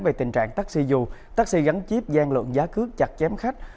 về tình trạng taxi dù taxi gắn chip gian lượng giá cước chặt chém khách